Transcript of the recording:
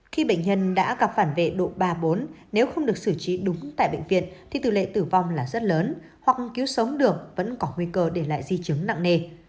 khi bệnh nhân đã gặp phản vệ độ ba bốn nếu không được xử trí đúng tại bệnh viện thì tỷ lệ tử vong là rất lớn hoặc cứu sống được vẫn có nguy cơ để lại di chứng nặng nề